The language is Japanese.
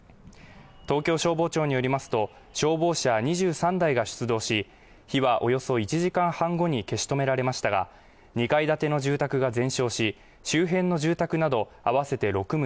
東京消防庁によりますと消防車２３台が出動し火はおよそ１時間半後に消し止められましたが２階建ての住宅が全焼し周辺の住宅など合わせて六棟